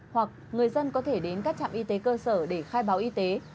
hoặc người dân có thể đến các trạm y tế cơ sở để khai báo y tế